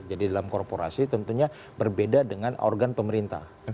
dalam korporasi tentunya berbeda dengan organ pemerintah